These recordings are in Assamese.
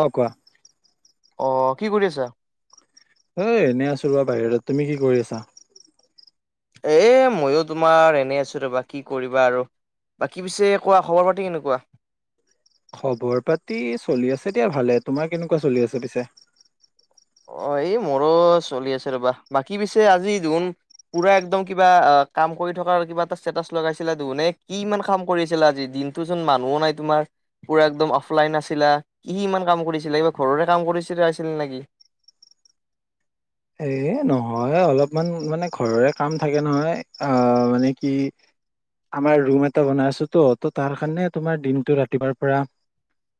অহ কোৱা। অ', কি কৰি আছা? এ এনেই আছো ৰ'বা বাহিৰত তুমি কি কৰি আছা? এ ময়ো তোমাৰ এনেই আছোঁ ৰবা কি কৰিবা আৰু। বাকী পিছে কোৱা খবৰ পাতি কেনেকুৱা? খবৰ পাতি চলি আছে দিয়া ভালে তোমাৰ কেনেকুৱা চলি আছে পিছে। অ', এই মোৰো চলি আছে ৰ'বা বাকী পিছে আজি দেন পুৰা একদম কিবা অ', কাম কৰি থকাৰ কিবা এটা ষ্টেটাচ লগাইছিলে দেহোন নে কি ইমান কাম কৰিছিলে আজি দিন টো চোন মানুহো নাই তোমাৰ। পুৰা একদম অফলাইন আছিলা কি ইমান কাম কৰিছিলা কিবা ঘৰৰে কাম কৰিছিল আছিলে নেকি। এ নহয় অলপমান মানে ঘৰৰে কাম থাকে নহয় আহ মানে কি আমাৰ ৰুম এটা বনাই আছোঁ তো ত তাৰ কাৰণে তোমাৰ দিনতটো ৰাতিপাৰ পৰা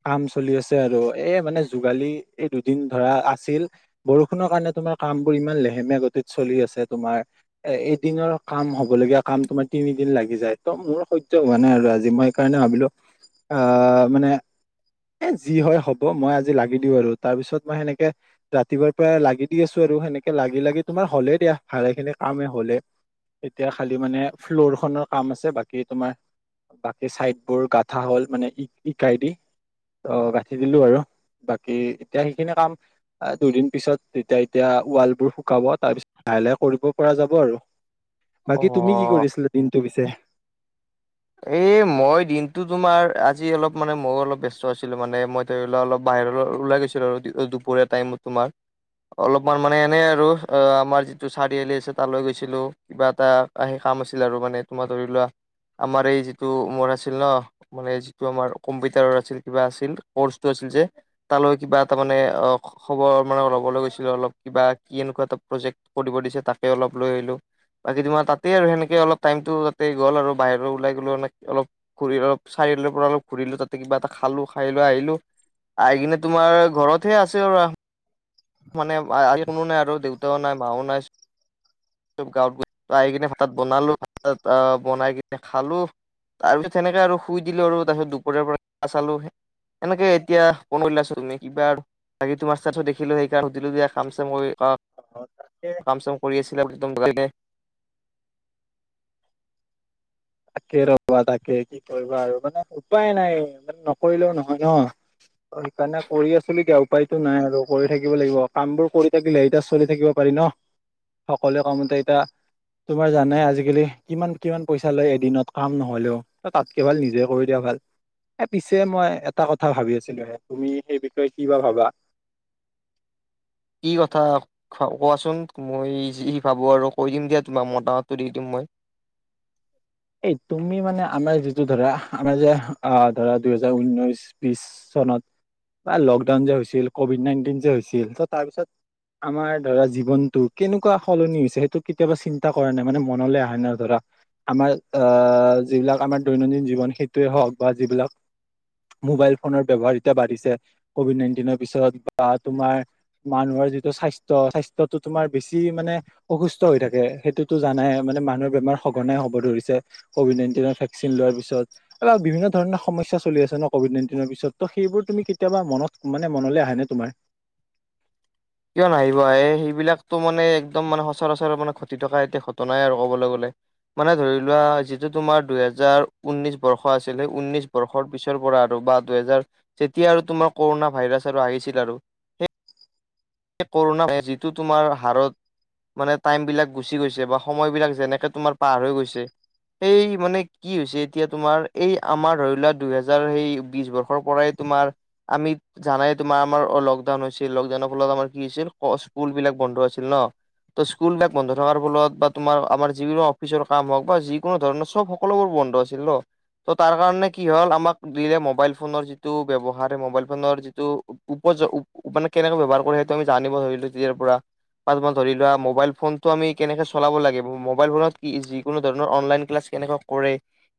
কাম চলি আছে আৰু এ মানে যোগালি এই দুদিন ধৰা আছিল বৰষুণৰ কাৰণে তোমাৰ কামবোৰ ইমান লেহেমীয়া গতিত চলি আছে তোমাৰ এ এদিনৰ কাম হব লগগীয়া কাম তোমাৰ তিনিদিন লাগি যায় ত মোৰ সহ্য হোৱা নাই আৰু আজি মই কাৰণে ভাবিলোঁ আহ মানে এ' যি হয় হ'ব মই আজি লাগি দিওঁ আৰু তাৰ পিছত মই সেনেকে ৰাতিপুৱাৰ পৰা লাগি দি আছোঁ। আৰু সেনেকে লাগি, লাগি তোমাৰ হ'লেই দা ভালে খিনি কামেই হ'লে। এতিয়া খালি মানে ফ্ল'ৰ খনৰ কাম আছে বাকী তোমাৰ বাকী চাইদ বোৰ গাঠা হ'ল মানে ই ইটাই দি। অ', গাঁঠি দিলো আৰু বাকী এতিয়া সেইখিনি কাম দুদিন পিছত তেতিয়া এতিয়া ৱাল বোৰ শুকাব তাৰ পিছত লাহে, লাহে কৰিব পৰা যাব আৰু। অ বাকী তুমি কি কৰিছিলা দিনটো পিছে? এ মই দিনতটো তোমাৰ আজি অলপ মানে মইও অলপ ব্যস্ত আছিলোঁ মানে মই তেলে অলপ বাহিৰৰ ওলাই গৈছিলোঁ আৰু দুপৰীয়া টাইমত তোমাৰ। অলপমান মানে এনেই আৰু আমাৰ যিটো চাৰিআলি আছে তালৈ গৈছিলোঁ। কিবা এটা আহি কাম আছিল আৰু মানে তোমাৰ ধৰি লোৱা আমাৰ এই যিটো মোৰ আছিল ন মানে যিটো আমাৰ কম্পিউটাৰৰ আছিল কিবা আছিল কৰ্চটো আছিল যে তালৈ কিবা এটাৰ মানে অ' খবৰ মানে ল'বলৈ গৈছিলোঁ অলপ কিবা কি এনেকুৱা এটা প্ৰজেক্ট কৰিব দিছে তাকে অলপ লৈ আহিলো। বাকী তোমাৰ তাতে আৰু সেনেকে অলপ টাইমতো তাতে গ'ল আৰু বাহিৰ ওলাই গ'লেওে অলপ ঘূৰি অলপ চাৰিআলিৰ পৰা অলপ ঘূৰিলো, তাতে কিবা এটা খালো, খাই লৈ আহিলোঁ। আহি কিনে তোমাৰ ঘৰত হে আছে। [unintelligible] মানে আজি কোনো নাই আৰু দেউতাও নাই মাও নাই। গাঁৱত গৈ [unintelligible] আহি কিনে হঠাত বনালো ভাত আহ বনাই কিনে খালোঁ। তাৰপিছত সেনেকে আৰু শুই দিলোঁ আৰু তাৰপিছত দুপৰীয়াৰ পৰা [unintelligible] চালোঁ। এনেকে এতিয়া বন উলাইছো তুমি কিবা বাকি তোমাৰ [unintelligible] দেখিলোঁ। সুধিলো যে কাম চাম কৰি ঘৰত অ', তাকেই। কাম চাম কৰি আছিল একদম। [unintelligible] তাকে ৰবা তাকে কি কৰিবা আৰু মানে উপায় নাই মানে নকৰিলেও নহয় ন। সেইকাৰণে কৰি আছিলোঁ এতিয়া, উপায়তো নাই আৰু কৰি থাকিব লাগিব, কাম বোৰ কৰি থাকিলে এতিয়া চলি থাকিব পাৰি ন। সকলো কামতেই এতিয়া, তোমাৰ জানাই আজিকালি কিমান, কিমান পইচা লয়। দিনত কাম নহলেও, তাতকে ভাল নিজে কৰি দিয়া ভাল। এ পিছে মই এটা কথা ভাবি আছিলোঁ হে, তুমি সেই বিষয়ে কি বা ভাবা। কি কথা? কোৱাচোন মই যি ভাবোঁ আৰু কৈ দিম দিয়া তোমাক, মতামতটো দি দিম মই। এই তুমি মানে আমাৰ যিটো ধৰা আমাৰ যে আ ধৰা দুইহেজাৰ ঊনৈশ বিশ চনত বা লকডাউন যে হৈছিল, কভিড নাইনটিন যে হৈছিল, ত' তাৰপিছত আমাৰ ধৰা জীৱনটো কেনেকুৱা সলনি হৈছে, সেইটো কেতিয়াবা চিন্তা কৰানে? মানে মনলৈ আহে নে ধৰা। আমাৰ আ, যিবিলাক আমাৰ দৈনন্দিন জীৱন, সেইটোৱেই হওক বা যিবিলাক মোবাইল ফোনৰ ব্যৱহাৰ এতিয়া বাঢ়িছে কভিড নাইনটিনৰ পিছত বা তোমাৰ মানুহৰ যিটো স্বাস্থ্য, স্বাস্থ্যটো তোমাৰ বেছি মানে অসুস্থ হৈ থাকে, সেইটোতো জানাই? মানে মানুহৰ বেমাৰ সঘনাই হ'ব ধৰিছে। ক'ভিড নাইণ্টিনৰ ভেকচিন লোৱাৰ পিছত। এই বিভিন্ন ধৰণৰ সমস্যা চলি আছে ন' কভিড নাইণ্টিনৰ পিছত, ত' সেইবোৰ তুমি কেতিয়াবা মনত মানে মনলৈ আহেনে তোমাৰ? কিয় নাহিব এ, সেইবিলাকতো মানে একদম মানে সচৰাচৰ মানে ঘটি থকা এতিয়া ঘটনাই আৰু কবলৈ গ'লে। মানে ধৰি লোৱা, যিটো তোমাৰ দুহেজাৰ ঊনৈশ বৰ্ষ আছিলে, সেই ঊনৈশ বৰ্ষ কৰ পিছৰপৰা আৰু বা দুহেজাৰ যেতিয়া আৰু তোমাৰ কৰোণা ভাইৰাছ আৰু আহিছিল আৰু। সেই কৰোণা যিটো তোমাৰ হাৰত মানে টাইমবিলাক গুচি গৈছে বা সময়বিলাক যেনেকে তোমাৰ পাৰ হৈ গৈছে এই মানে কি হৈছে এতিয়া তোমাৰ, এই আমাৰ ধৰি লোৱা দুইহেজাৰ সেই বিশ বৰ্ষৰপৰাই তোমাৰ আমি জানাই তোমাৰ আমাৰ অ' লকডাউন হৈছে, লকডাউনৰ ফলত আমাৰ কি ছিল ক স্কুলবিলাক বন্ধ আছিল ন'। ত' স্কুলবিলাক বন্ধ থকাৰ ফলত বা তোমাৰ আমাৰ যিকোনো অফিচৰ কাম হওক বা যিকোনো ধৰণৰ চব সকলোবোৰ বন্ধ আছিল ন'? ত' তাৰ কাৰণে কি হ'ল, আমাক দিলে মোবাইল ফোনৰ যিটো ব্যৱহাৰ, মোবাইল ফোনৰ যিটো উপ মানে কেনেকে ব্যৱহাৰ কৰে, সেইটো আমি জানিব ধৰিলো যেতিয়াৰপৰা। [unintelligible] ধৰি লোৱা, মোবাইল বা বা বা তুমি ধৰি লোৱা মোবাইল ফোনটো আমি কেনেকে চলাব লাগে, মোবাইল ফোনত কি যিকোনো ধৰণৰ অনলাইন ক্লাছ কেনেকা কৰে,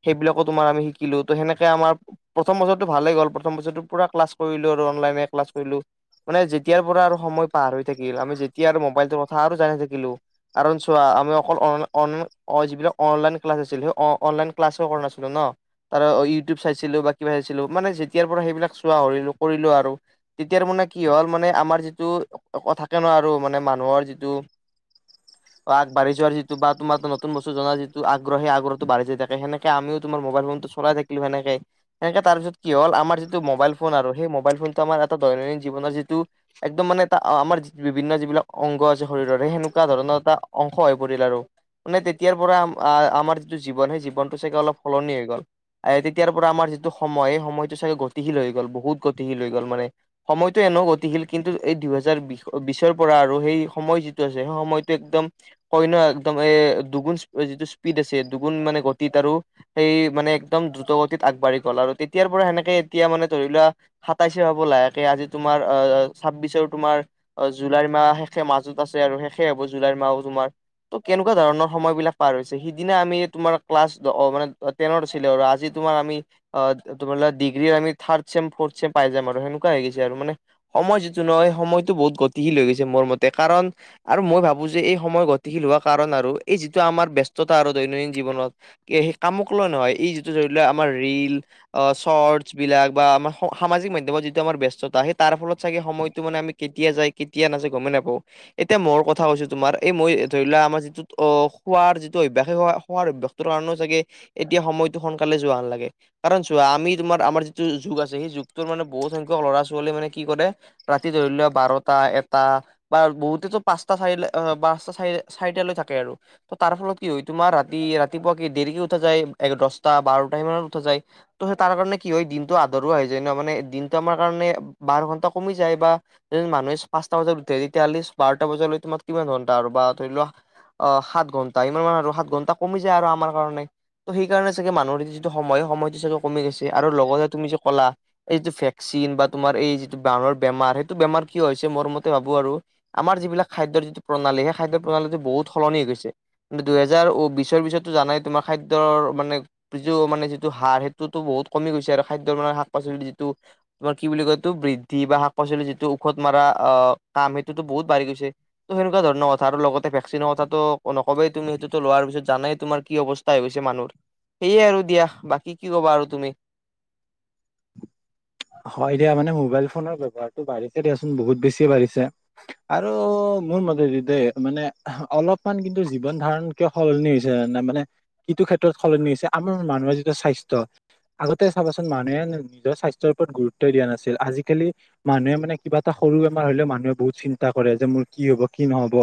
সেইবিলাকো তোমাৰ আমি শিকিলো, ত' সেনেকে আমাৰ প্ৰথম বছৰটো ভালেই গ'ল, প্ৰথম বছৰটো পুৰা ক্লাছ কৰিলোঁ আৰু অনলাইনে ক্লাছ কৰিলোঁ। মানে যেতিয়াৰপৰা আৰু সময় পাৰ হৈ থাকিল, আমি যেতিয়া আৰু মোবাইলটোৰ কথা আৰু জানি থাকিলো। কাৰণ চোৱা, আমি অকল অন-অ-অ-অনলাইন অ' যিবিলাক অনলাইন ক্লাছ আছিলে, সেই অনলাইন ক্লাছ কৰা নাছিলো ন'? আৰু ইউটিউব চাইছিলোঁ বা কিবা চাইছিলোঁ, মানে যেতিয়াৰপৰা সেইবিলাক চোৱা ৰিলো কৰিলোঁ আৰু তেতিয়াৰ মানে কি হ'ল, মানে আমাৰ যিটো ক থাকে ন' আৰু মানে মানুহৰ যিটো [inaudible] আগবাঢ়ি যোৱাৰ যিটো বাট, তোমাৰ এটা নতুনঅ অ আগবাঢ়ি যোৱাৰ যিটো বা তোমাৰতো নতুন বস্তু জনাৰ যিটো আগ্ৰহ, সেই আগ্ৰহটো বাঢ়ি যায় থাকে, সেনেকে আমিও তোমাৰ মোবাইল ফোনটো চলাই থাক কলোঁ সেনেকে। এনেকে তাৰপিছত কি হ'ল, আমাৰ যিটো মোবাইল ফোন আৰু সেই মোবাইল ফোনটো আমাৰ এটা দৈনন্দিন জীৱনৰ যিটো একদম মানে এটা আমাৰ বিভিন্ন যিবিলাক অংগ আছে শৰীৰৰ, সেই সেনেকুৱা ধৰণৰ এটা অংশ হৈ পৰিল আৰু। মানে তেতিয়াৰপৰা আমাৰ যিটো জীৱন সেই জীৱনটো চাগে অলপ সলনি হৈ গ'ল। এ, তেতিয়াৰপৰা আমাৰ যিটো সময় সেই সময়টো চাগে গতিশী হৈ গ'ল, বহুত গতিশীল হৈ গ'ল মানে। সময়তো এনেও গতিশীল কিন্তু এই দুহেজাৰ বি-বিছৰপৰা আৰু সেই সময় যিটো আছে সেই সময়টো একদম কইন একদম এ, দুগুণ যিটো স্পীড আছে, দুগুণ মানে গতিত আৰু সেই মানে একদম দ্ৰুতগতিত আগবাঢ়ি গ'ল আৰু তেতিয়াৰপৰা সেনেকে এতিয়া মানে ধৰি লোৱা সাতাইচে হ'ব লাহেকে, আজি তোমাৰ আ ছাব্বিছৰ তোমাৰ অ' জুলাই মাহ শেষে মাজত আছে আৰু শেষে হ'ব জুলাইৰ মাহ তোমাৰ। ত' কেনেকুৱা ধৰণৰ সময়বিলাক পাৰ হৈছে, সিদিনা আমি তোমাৰ ক্লাছ মানে টেনত আছিলোঁ আৰু আজি তোমাৰ আমি আ, তোমাৰ ডিগ্ৰীৰ আমি থাৰ্ড চেম ফৰ্থ চেম পাই যাম আৰু সেনেুৱা হৈ গৈছে আৰু মানে সময় যিটো নহয় সময়টো বহুত গতিশীল হৈ গৈছে মোৰ মতে কাৰণ আৰু মই ভাবোঁ যে এই সময় গতিশীল হোৱা কাৰণ আৰু এই যিটো আমাৰ ব্যস্ততা আৰু দৈনন্দিন জীৱনত সেই কামকলৈ নহয়, এই যিটো ধৰি লও আমাৰ ৰিল অ' চৰ্চছবিলাক বা আমাৰ সামাজিক মাধ্যমত যিটো আমাৰ ব্যস্থতা সেই তাৰফলত চাগে সময়তো মানে আমি কেতিয়া যায়, কেতিয়া নাযায় গ'মেই নাপাওঁ। এতিয়া মোৰ কথা কৈছো, তোমাৰ এই মই ধৰি লোৱা, আমাৰ যিটো খোৱাৰ যিটো অভ্যাস সেই খোৱাৰ অভ্যাস কাৰণেও চাগে, এতিয়া সময়টো সোনকালে যোৱা নালাগে। কাৰণ চোৱা, আমি তোমাৰ আমাৰ যিটো যুগ আছে, সেই যুগটোৰ মানে বহুত সংখ্যক ল'ৰা ছোৱালীয়ে মানে কি কৰে ৰাতি ধৰি লোৱা বাৰটা, এটা বা বহুতেটো পাঁচটা, চাৰি, পাঁচটা চাৰি, চাৰিটালৈ থাকে আৰু। ত', তাৰ ফলত কি হয়, তোমাৰ ৰাতি, ৰাতিপুৱা কি দেৰিকে উঠা যায়, দহটা বাৰটা মানত উঠা যায়। ত', সেই তাৰ কাৰণে কি হয় দিনটো আধৰুৱা হৈ যায় ন', মানে দিনটো আমাৰ কাৰণে বাৰ ঘন্টা কমি যায় বা মানুহে পাঁচটা বজাত উঠে, তেতিয়াহ'লে বাৰটা বজালৈ তোমাৰ কিমান ঘণ্টা, আৰু বা ধৰি লোৱা অ', সাত ঘণ্টা ইমান মান, আৰু সাত ঘণ্টা কমি যায় আৰু আমাৰ কাৰণে। ত' সেইকাৰণে চাগে মানুহৰ যিটো সময়, সময়টো চাগে কমি গৈছে, আৰু লগতে তুমি যে ক'লা এই টো ভেকচিন বা, তোমাৰ এই যিটো বানৰ বেমাৰ, সেইটো বেমাৰ কিয় হৈছে মোৰ মতে ভাবো আৰু। আমাৰ যিবিলাক খাদ্যৰ যিটো প্ৰণালী, সেই খাদ্যৰ প্ৰণালীটো বহুত সলনি হৈ গৈছে। দুহেজাৰ বিশৰ পিছতো জানাই, তোমাৰ খাদ্যৰ মানে যটো, মানে যিটো সাৰ সেইটো বহুত কমি গৈছে, আৰু খাদ্যৰ মানে শাক পাচলিৰ যিটো তোমাৰ কি বুলি কয়, বৃদ্ধি বা শাক পাচলি যিটো ঔষধ মাৰা আহ, কাম সেইটোটো বহুত বাঢ়ি গৈছে। ত', সেনেকুৱা ধৰণৰ কথা, লগতে ভেকচিনৰ কথাটো নকবা, তুমি সেইটো লোৱাৰ পিছত জানাই তোমাৰ কি অৱস্থা হৈ গৈছে মানুহৰ, সেয়ে আৰু দিয়া, বাকী কি ক'বা আৰু তুমি। হয় দিয়া, মানে মোবাইল ফোনৰ ব্যৱহাৰটো বাঢ়িছে দিয়াচোন, বহুত বেছি বাঢ়িছে। আৰু মোৰ মতে দেই, মানে অলপমান কিন্তু জীৱন ধাৰণ কিয় সলনি হৈছে মানে, কিটো ক্ষেত্ৰত সলনি হৈছে আমাৰ মানুহৰ যিটো স্বাস্থ্য আগতে চাবাচোন, মানুহে নিজৰ স্বাস্থ্যৰ ওপৰত গুৰুত্বই দিয়া নাছিল, আজিকালি মানুহে মানে কিবা এটা সৰু বেমাৰ হ, লেও মানুহে বহুত চিন্তা কৰে, যে মোৰ কি হ'ব কি নহ'ব।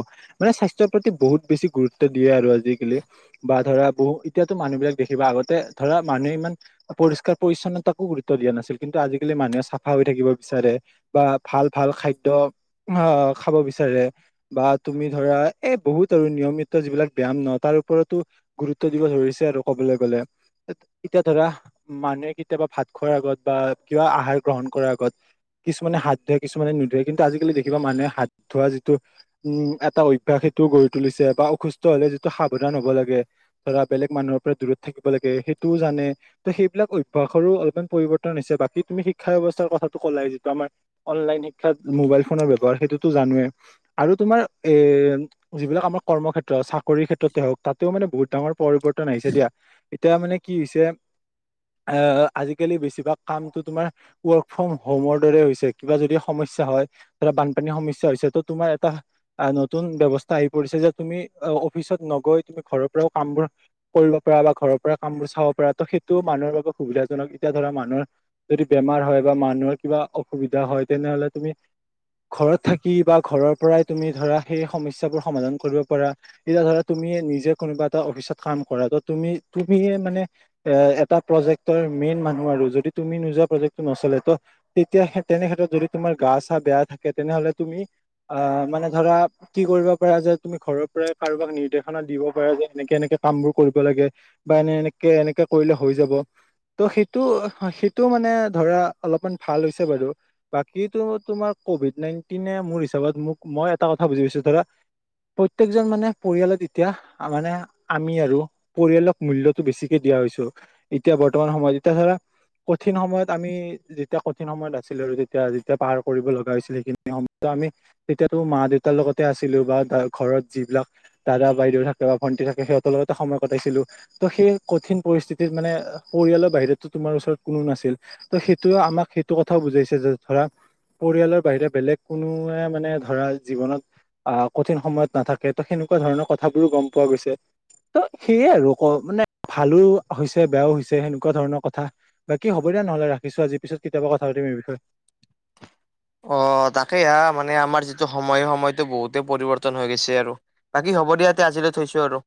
মানে স্বাস্থ্যৰ প্ৰতি, বহুত বেছি গুৰুত্ব দিয়ে আৰু আজিকালি। বা ধৰা, বহু এতিয়াতো মানুহবিলাক দেখিবা, আগতে ধৰা মানুহে ইমান পৰিষ্কাৰ, পৰিচ্ছন্নতাকো গুৰুত্ব দিয়া নাছিল। কিন্তু আজিকালি মানুহে চাফা হৈ থাকিব বিচাৰে, বা ভাল ভাল খাদ্য অ', খাব বিচাৰে। বা তুমি ধৰা, এ বহুত আৰু নিয়মিত যিবিলাক ব্যায়াম ন', তাৰ ওপৰতো গুৰুত্ব দিব ধৰিছে আৰু ক'বলৈ গ'লে। এতিয়া ধৰা, মানুহে কেতিয়াবা ভাত খোৱাৰ আগত, বা কিবা আহাৰ গ্ৰহণ কৰাৰ আগত কিছুমানে হাত ধোৱে, কিছুমানে নোধোৱে কিন্তু, আজিকালি দেখিবা মানুহে হাত ধোৱা যিটো উম, এটা অভ্যাস সেইটো গঢ়ই তুলিছে, বা অসুস্থ হ'লে যিটো সাৱধান হব লাগে ধৰা বেলেগ মানুহৰ পৰা দূৰত থাকিব লাগে, সেইটোও জানে। ত' সেইবিলাক অভ্যাসৰো অলপমান পৰিৱৰ্তন হৈছে, বাকী তুমি শিক্ষা ব্যৱস্থাৰ কথাটো ক'লাই যিটো আমাৰ অনলাইন শিক্ষাত, মোবাইল ফোনৰ ব্যৱহাৰ সেইটোতো জানোৱেই আৰু তোমাৰ এ, যিবিলাক আমাৰ কৰ্মক্ষেত্ৰ, চাকৰিৰ ক্ষেত্ৰতে হ'ওঁক, তাতে মানে বহুত ডাঙৰ পৰিৱৰ্তন আহিছে দিয়া, এতিয়া মানে কি হৈছে, আহ আজিকালি বেছিভাগ কাম তোমাৰ ৱৰ্ক ফ্ৰম হোমৰ দৰে হৈছে, কিবা যদি সমস্যা হয় ধৰা বানপানীৰ সমস্যা হৈছে, ত' তোমাৰ এটা আহ নতুন ব্যৱস্থা আহি পৰিছে, যে তুমি অফিচত নগৈ, তুমি ঘৰৰ পৰাও কামবোৰ কৰিব পৰা, বা ঘৰৰ পৰা কামবোৰ চাব পৰা ত', সেইটো মানুহৰ বাবে সুবিধাজনক, এতিয়া ধৰা মানুহৰ যদি বেমাৰ হয়, বা মানুহৰ কিবা অসুবিধা হয়, তেনেহ'লে তুমি ঘৰত থাকি বা ঘৰৰ পৰাই তুমি ধৰা সেই সমস্যাবোৰ সমাধান কৰিব পৰা এতিয়া ধৰা, তুমি নিজে কোনোবা এটা অফিচত কাম কৰা, ত' তুমি, তুমিয়ে মানে এ, এটা প্ৰজেক্টৰ মেইন মানুহ, আৰু যদি তুমি নোযোৱা প্ৰজেক্টটো নচলে, ত' তেতিয়া, তেনেক্ষ্ষেত্ৰত যদি তোমাৰ গা-চা বেয়া থাকে, তেনেহ'লে তুমি, আহ মানে ধৰা কি কৰিব পাৰা যে, তুমি ঘৰৰ পৰাই কাৰোবাক নিৰ্দেশনা দিব পাৰা যে, এনেকে, এনেকে কাম বোৰ কৰিব লাগে। বা এনে, এনেকে, এনেকে কৰিলে হৈ যাব, ত' সেইটো সেই টো মানে ধৰা অলপমান ভাল হৈছে বাৰু। বাকী তোমাৰ কভিড নাইণ্টিনে মোৰ হিচাপত মোক মই এটা কথা বুজি পাইছো ধৰা প্ৰত্যেকজন মানে পৰিয়ালত এতিয়া মানে আমি আৰু পৰিয়ালক মূল্যতো বেছিকে দিয়া হৈছো, এতিয়া বৰ্তমান সময়ত এতিয়া ধৰা কঠিন সময়ত আমি যেতিয়া কঠিন সময়ত আছিলো আৰু তেতিয়া যেতিয়া পাৰ কৰিব লগা হৈছিল সেইখিনি সময়ত আমি তেতিয়াতো মা দেউতাৰ লগতে আছিলো বা ঘৰত যিবিলাক দাদা বাইদেউ থাকে বা ভণ্টি থাকে সিহঁতৰ লগতে সময় কটাইছিলো। ত' সেই কঠিন পৰিস্থিতিত মানে পৰিয়ালৰ বাহিৰতটো তোমাৰ ওচৰত কোনো নাছিল। ত' সেইটোৱে আমাক সেইটো কথাও বুজাইছে যে ধৰা পৰিয়ালৰ বাহিৰে বেলেগ কোনো মানে ধৰা জীৱনত আহ কঠিন সময়ত নাথাকে ত' সেনেকুৱা ধৰণৰ কথাবোৰো গম পোৱা গৈছে। ত' সেয়ে আৰু অক মানে ভালো হৈছে বেয়াও হৈছে সেনেকুৱা ধৰণৰ কথা। বাকী হ'ব দে নহলে ৰাখিছো আজি পিছত কথা পাতিম বিষয়। অ', তাকেই হা মানে আমাৰ যিটো সময় সময়তটো বহুতে পৰিৱৰ্তন হৈ গৈছে আৰু। বাকী হ'ব দিয়া এতিয়া আজিলৈ থৈছো আৰু।